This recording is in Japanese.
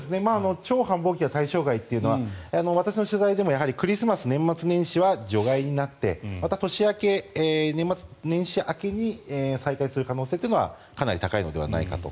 超繁忙期は対象外というのは私の取材でもクリスマス、年末年始は除外になってまた年明け、年末年始明けに再開する可能性というのはかなり高いのではないかと。